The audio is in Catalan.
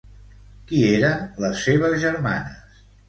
Qui eren les seves germanes?